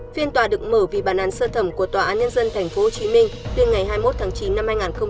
phiên tòa được mở vì bản an sơ thẩm của tòa án nhân dân tp hcm từ ngày hai mươi một tháng chín năm hai nghìn hai mươi ba